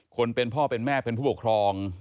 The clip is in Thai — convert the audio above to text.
คนเป็นพ่อเป็นแม่เป็นผู้ปกครอง